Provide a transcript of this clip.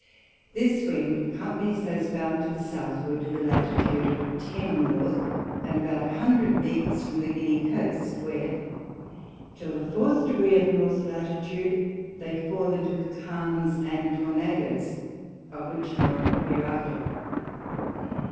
This Wind accompanies those bound to the Southward, to the Latitude of ten North, and about a hundred Leagues from the Guinea Coast, where, till the fourth Degree of North Latitude, they fall into the Calms and Tornadoes; of which more hereafter.